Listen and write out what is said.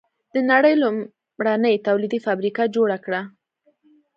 د نړۍ لومړنۍ تولیدي فابریکه جوړه کړه.